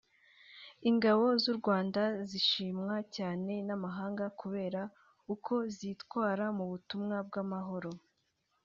Ingabo z’u Rwanda zishimwa cyane n’amahanga kubera uko zitwara mu butumwa bw’amahoro